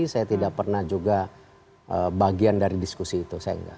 saya tidak pernah juga bagian dari diskusi itu